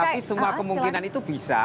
tapi semua kemungkinan itu bisa